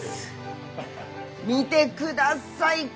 見てください